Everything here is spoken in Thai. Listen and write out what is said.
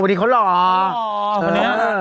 อ๋อเวอดีเขาหล่อ